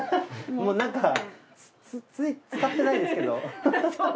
もうなんか浸かってないですけど。